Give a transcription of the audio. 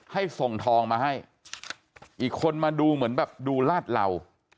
ให้ส่งทองมาให้อีกคนมาดูเหมือนแบบดูลาดเหล่า